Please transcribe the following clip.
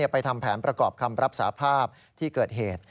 ไปทำแผนประกอบคำรับสาภาพที่เกิดเหตุ